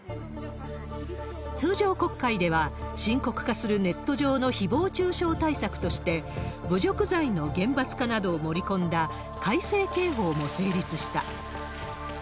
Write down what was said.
通常国会では、深刻化するネット上のひぼう中傷対策として、侮辱罪の厳罰化などを盛り込んだ、改正刑法も成立した。